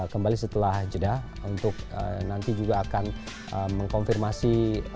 kembali setelah jeda untuk nanti juga akan mengkonfirmasi